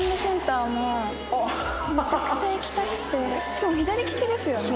しかも左利きですよね。